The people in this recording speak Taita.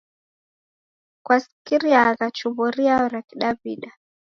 Kwasikiriagha chumbo riao ra Kidawi'da?